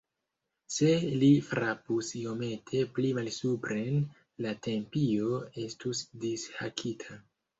Se li frapus iomete pli malsupren, la tempio estus dishakita!